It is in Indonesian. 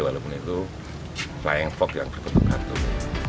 walaupun itu flying fox yang tergantung